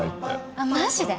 あっマジで？